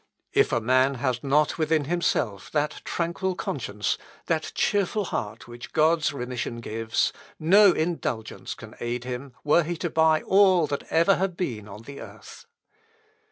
If a man has not within himself that tranquil conscience, that cheerful heart which God's remission gives, no indulgence can aid him were he to buy all that ever have been on the earth."